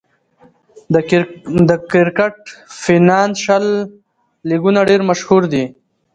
د کرکټ فینانشل لیګونه ډېر مشهور دي.